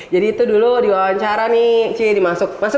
jadi itu dulu diwawancara nih ci dimasuk tv